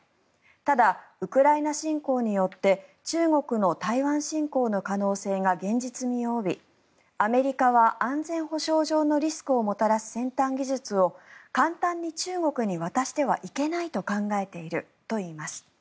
ただ、ウクライナ侵攻によって中国の台湾進攻の可能性が現実味を帯び、アメリカは安全保障上のリスクをもたらす先端技術を簡単に中国に渡してはいけないと考えているといいます。